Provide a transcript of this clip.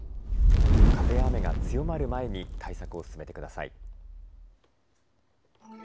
風や雨が強まる前に対策を進めてください。